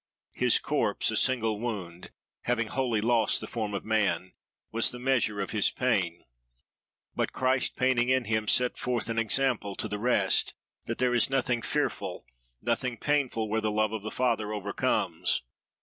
His corpse, a single wound, having wholly lost the form of man, was the measure of his pain. But Christ, paining in him, set forth an ensample to the rest—that there is nothing fearful, nothing painful, where the love of the Father overcomes.